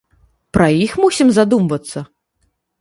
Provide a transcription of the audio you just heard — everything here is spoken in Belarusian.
Пра іх мусім задумвацца?!